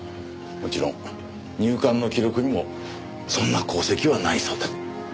もちろん入管の記録にもそんな痕跡はないそうだ。